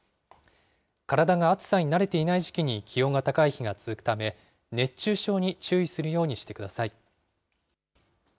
体が暑さに慣れていない時期に気温が高い日が続くため、熱中症に注意するようにしてください。